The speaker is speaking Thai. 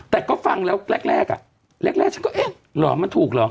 แต่ก็ฟังแล้วแรกอ่ะแรกแรกฉันก็เอ๊ะเหรอมันถูกเหรอ